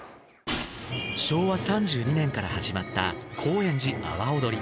昭和３２年から始まった高円寺阿波おどり。